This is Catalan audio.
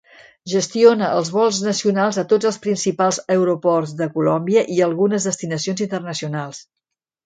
Gestiona els vols nacionals a tots els principals aeroports de Colòmbia i algunes destinacions internacionals.